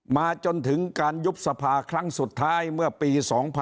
มาจนถึงการยุบสภาครั้งสุดท้ายเมื่อปี๒๕๖๒